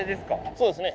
そうですね。